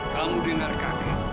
kamu dengar kaki